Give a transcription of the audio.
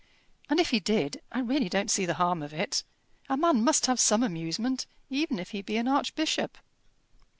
"And if he did, I really don't see the harm of it. A man must have some amusement, even if he be an archbishop."